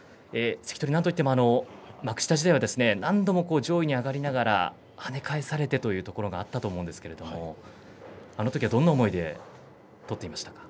関取、なんといっても幕下時代は何度も上位に上がりながら跳ね返されてというところがあったと思うんですけれどあのときはどんな思いで取っていましたか。